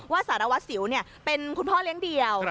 ว่าสารวัสิวเนี่ยเป็นคุณพ่อเลี้ยงเดี่ยว